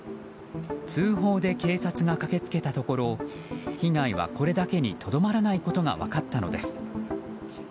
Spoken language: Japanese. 通報で警察が駆け付けたところ被害はこれだけにとどまらないことが分かったのです。